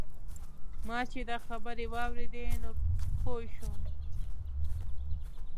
ما چې دا خبرې واورېدې نو پوی شوم.